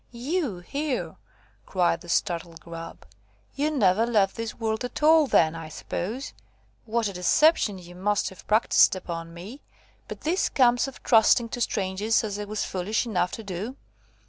"You here!" cried the startled Grub; "you never left this world at all, then, I suppose. What a deception you must have practised upon me! But this comes of trusting to strangers, as I was foolish enough to do."